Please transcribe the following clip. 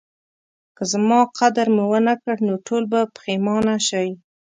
که زما قدر مو ونکړ نو ټول به پخیمانه شئ